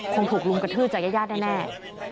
คงถูกลุงกระทืดใจญาติแน่